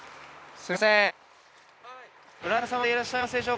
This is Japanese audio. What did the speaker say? すみません。